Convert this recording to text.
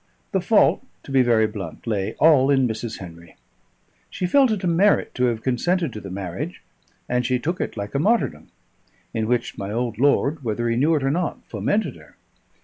The fault, to be very blunt, lay all in Mrs. Henry. She felt it a merit to have consented to the marriage, and she took it like a martyrdom; in which my old lord, whether he knew it or not, fomented her.